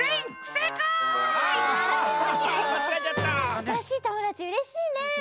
あたらしいともだちうれしいね！